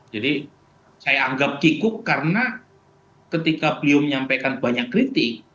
jadi saya anggap kikuk karena ketika beliau menyampaikan banyak kritik